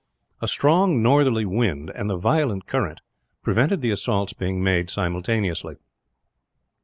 A strong northerly wind, and the violent current, prevented the assaults being made simultaneously.